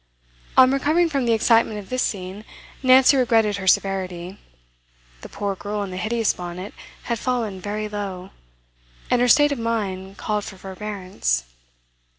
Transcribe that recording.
On recovering from the excitement of this scene, Nancy regretted her severity; the poor girl in the hideous bonnet had fallen very low, and her state of mind called for forbearance.